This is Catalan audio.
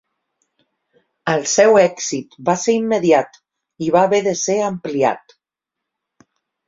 El seu èxit va ser immediat i va haver de ser ampliat.